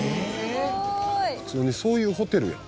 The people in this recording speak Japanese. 「すごい！」「普通にそういうホテルやん」